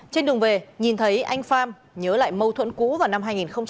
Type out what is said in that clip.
trên đường về nhìn thấy anh pham nhớ lại mâu thuẫn cũ vào năm hai nghìn hai mươi